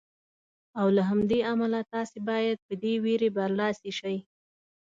او له همدې امله تاسې باید په دې وېرې برلاسي شئ.